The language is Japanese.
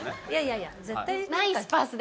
いやいやいや絶対何か。